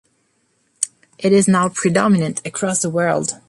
It is now predominant across the world.